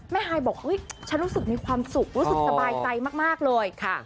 ฮายบอกฉันรู้สึกมีความสุขรู้สึกสบายใจมากเลย